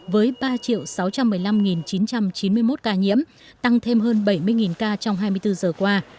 với ba sáu trăm một mươi năm chín trăm chín mươi một ca nhiễm tăng thêm hơn bảy mươi ca trong hai mươi bốn giờ qua